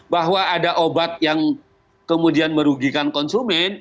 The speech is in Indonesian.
bahwa ada obat yang kemudian merugikan konsumen